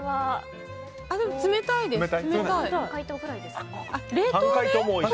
冷たいです。